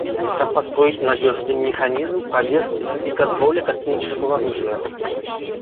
Как построить надежный механизм проверки и контроля космического оружия?